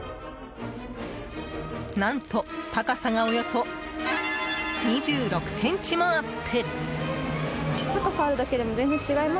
何と、高さがおよそ２６ｃｍもアップ。